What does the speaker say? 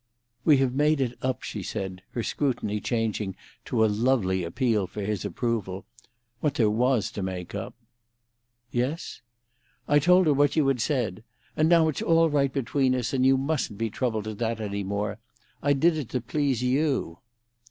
"We have made it up," she said, her scrutiny changing to a lovely appeal for his approval. "What there was to make up." "Yes?" "I told her what you had said. And now it's all right between us, and you mustn't be troubled at that any more. I did it to please you."